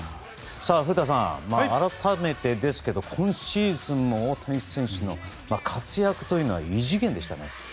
古田さん、改めてですが今シーズンの大谷選手の活躍というのは異次元でしたね。